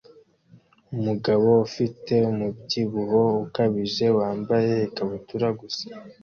Umugabo ufite umubyibuho ukabije wambaye ikabutura gusa